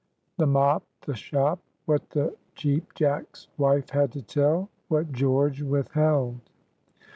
THE MOP.—THE SHOP.—WHAT THE CHEAP JACK'S WIFE HAD TO TELL.—WHAT GEORGE WITHHELD.